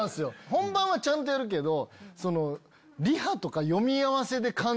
本番はちゃんとやるけど。